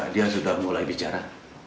dia sudah mulai bicara